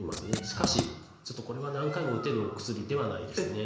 しかしちょっとこれは何回も打てるお薬ではないですね。